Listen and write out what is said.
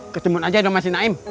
ketemuan aja dong mas inaim